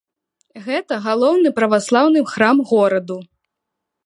Гэта галоўны праваслаўны храм гораду.